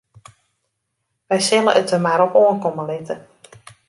Wy sille it der mar op oankomme litte.